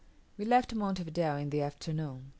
We left Monte Video in the afternoon.